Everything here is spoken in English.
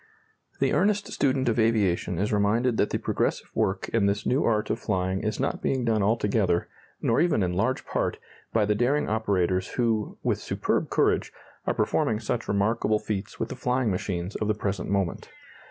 The earnest student of aviation is reminded that the progressive work in this new art of flying is not being done altogether, nor even in large part, by the daring operators who, with superb courage, are performing such remarkable feats with the flying machines of the present moment.